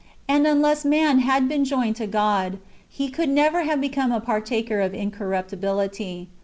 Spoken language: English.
And unless man had been joined to God, he could never have become a partaker of incorruptibility.